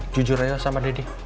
jujur aja sama deddy